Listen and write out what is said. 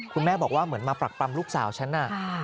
คุณแม่บอกว่าเหมือนมาปรักปรำลูกสาวฉันน่ะ